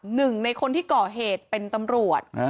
หนึ่งในคนที่ก่อเหตุเป็นตำรวจ